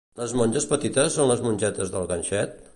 Les monges petites són les mongetes del ganxet?